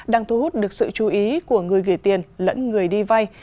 đang thu hút được sự chú ý của người gửi tiền lẫn người đi vay